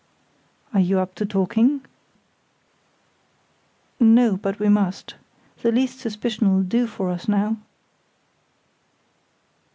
"Are you up to talking?" "No; but we must. The least suspicion'll do for us now."